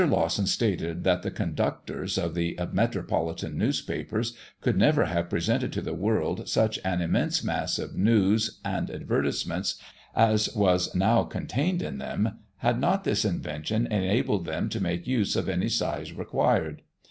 Lawson stated that the conductors of the metropolitan newspapers could never have presented to the world such an immense mass of news and advertisements as was now contained in them, had not this invention enabled them to make use of any size required.